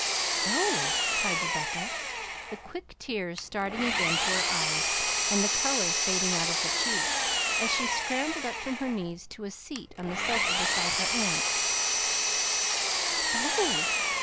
"Oh h!" cried Rebecca, the quick tears starting again to her eyes and the color fading out of her cheeks, as she scrambled up from her knees to a seat on the sofa beside her aunt. "Oh h!